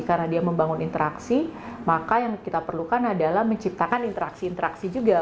karena dia membangun interaksi maka yang kita perlukan adalah menciptakan interaksi interaksi juga